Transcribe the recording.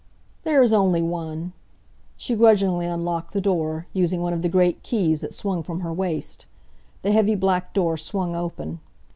"There is only one." She grudgingly unlocked the door, using one of the great keys that swung from her waist. The heavy, black door swung open.